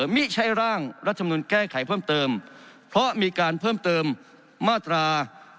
มิใช้ร่างรัฐมนุนแก้ไขเพิ่มเติมเพราะมีการเพิ่มเติมมาตรา